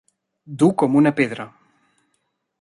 Dur com una pedra.